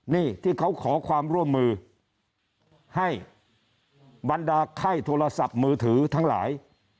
นี่ที่เขาขอความร่วมมือให้บรรดาไข้โทรศัพท์มือถือทั้งหลาย